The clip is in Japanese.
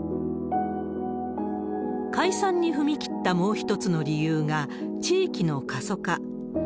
解散に踏み切ったもう一つの理由が地域の過疎化。